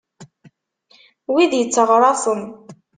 Wid itteɣraṣen.